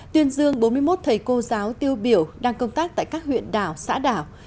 tuyên dương bốn mươi một thầy cô giáo tiêu biểu đang công tác tại các huyện đảo xã đảo